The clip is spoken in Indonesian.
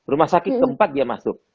rumah sakit ke empat dia masuk